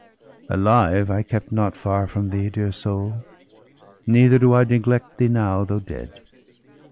Alive I kept not far from thee, dear soul! Neither do I neglect thee now, though dead.